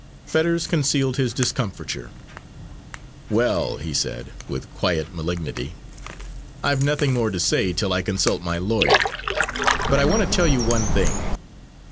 Fetters concealed his discomfiture. "Well," he said, with quiet malignity, "I've nothing more to say till I consult my lawyer. But I want to tell you one thing.